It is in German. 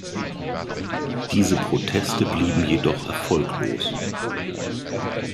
Diese Proteste blieben jedoch erfolglos.